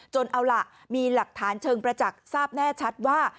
เอาล่ะมีหลักฐานเชิงประจักษ์ทราบแน่ชัดว่า